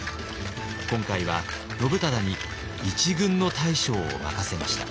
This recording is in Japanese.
今回は信忠に一軍の大将を任せました。